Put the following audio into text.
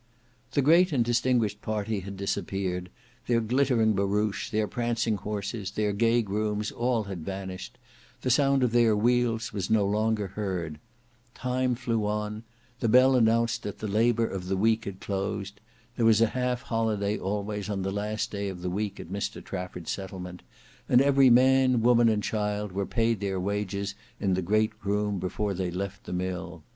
The great and distinguished party had disappeared; their glittering barouche, their prancing horses, their gay grooms, all had vanished; the sound of their wheels was no longer heard. Time flew on; the bell announced that the labour of the week had closed. There was a half holiday always on the last day of the week at Mr Trafford's settlement; and every man, woman, and child, were paid their wages in the great room before they left the mill.